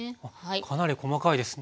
かなり細かいです。